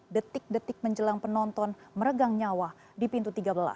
detik detik menjelang penonton meregang nyawa di pintu tiga belas